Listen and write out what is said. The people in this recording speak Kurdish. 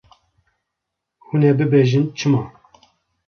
Hûn ê bibêjin çima?